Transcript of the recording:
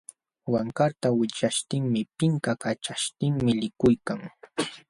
Wankarta wipyaśhtinmi pinkikaćhaśhtin likuykan.